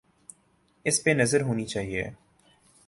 اس پہ نظر ہونی چاہیے۔